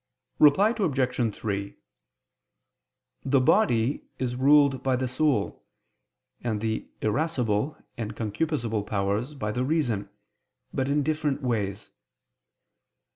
Reply Obj. 3: The body is ruled by the soul, and the irascible and concupiscible powers by the reason, but in different ways.